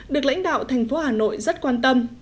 được lãnh đạo thành phố hà nội rất quan tâm